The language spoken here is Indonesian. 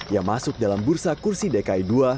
yang masuk dalam bursa kursi dki ii